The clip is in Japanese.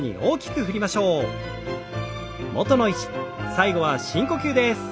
最後は深呼吸です。